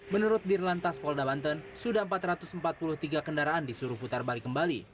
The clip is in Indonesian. menurut dirlantas polda banten sudah empat ratus empat puluh tiga kendaraan disuruh putar balik kembali